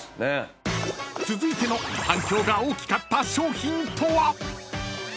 ［続いての反響が大きかった商品とは？］